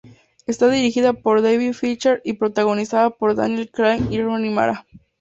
Está dirigida por David Fincher y protagonizada por Daniel Craig y Rooney Mara.